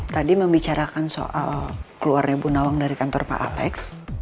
tadi membicarakan soal keluarnya bu nawang dari kantor pak alex